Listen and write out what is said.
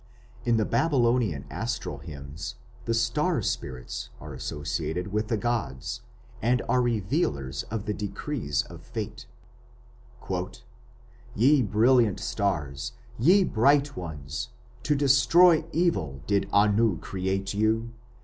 In the Babylonian astral hymns, the star spirits are associated with the gods, and are revealers of the decrees of Fate. "Ye brilliant stars... ye bright ones... to destroy evil did Anu create you....